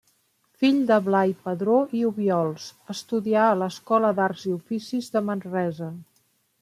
Fill de Blai Padró i Obiols, estudià a l'Escola d'Arts i Oficis de Manresa.